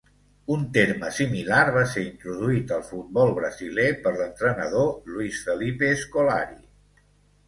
Un terme similar va ser introduït al futbol brasiler per l'entrenador Luis Felipe Scolari.